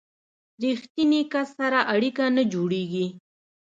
ریښتیني کس سره اړیکه نه جوړیږي.